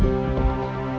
ya ada tiga orang